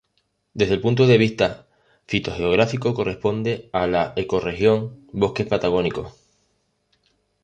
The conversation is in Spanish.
Desde el punto de vista fitogeográfico corresponde a la ecorregión bosques patagónicos.